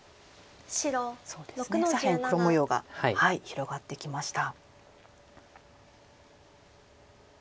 そうですね左辺黒模様が広がってきました。